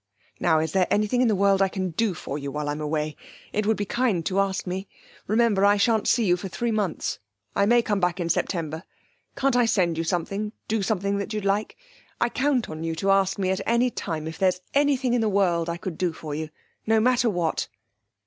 Now, is there anything in the world I can do for you while I'm away? It would be kind to ask me. Remember I shan't see you for three months. I may come back in September. Can't I send you something do something that you'd like? I count on you to ask me at any time if there's anything in the world I could do for you, no matter what!'